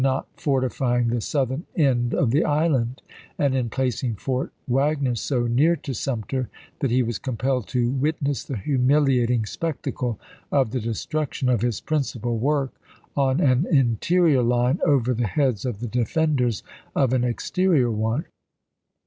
not fortifying the southern end of the island, and in placing Fort Wagner so near to Sumter that he was compelled to "witness the humiliating spectacle of the destruction of his principal work on an in terior line over the heads of the defenders of an xxvm., Part I. exterior one."